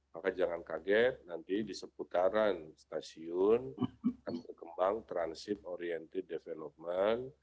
maka jangan kaget nanti di seputaran stasiun akan berkembang transit oriented development